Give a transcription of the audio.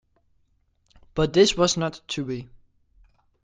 But this was not to be.